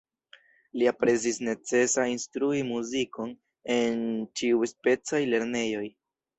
Li aprezis necesa instrui muzikon en ĉiuspecaj lernejoj.